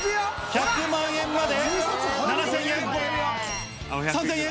１００万円まで７０００円、３０００円？